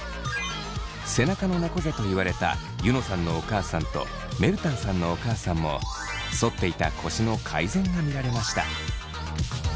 背中のねこ背と言われたユノさんのお母さんとめるたんさんのお母さんも反っていた腰の改善が見られました。